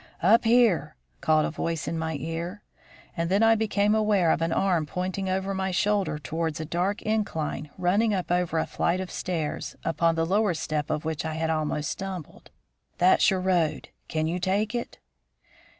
"Up there!" called a voice in my ear, and then I became aware of an arm pointing over my shoulder towards a dark incline running up over a flight of stairs, upon the lower step of which I had almost stumbled. "That's your road. Can you take it?"